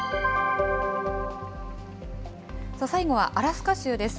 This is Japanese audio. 最後はアラスカ州です。